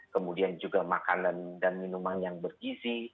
kemudian juga makanan dan minuman yang bergizi